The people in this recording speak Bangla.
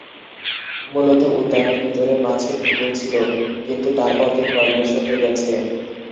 মূলত, উদ্যানের ভিতরে মাছের পুকুর ছিল, কিন্তু তারপর থেকে অদৃশ্য হয়ে গেছে।